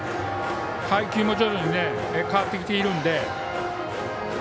配球も徐々に変わってきているので。